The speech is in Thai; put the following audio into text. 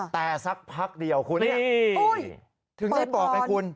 แต่สักพักเดียวคุณถึงได้บอกไงคุณ